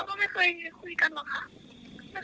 ไม่เคยคุยกันสมัยเรียนอะมูยะเป็นคนดีมากเลย